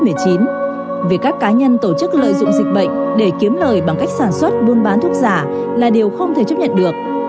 việc các cá nhân tổ chức lợi dụng dịch bệnh để kiếm lời bằng cách sản xuất buôn bán thuốc giả là điều không thể chấp nhận được